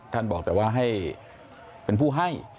บอกแต่ว่าให้เป็นผู้ให้